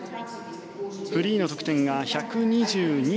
フリーの得点が１２２．６５。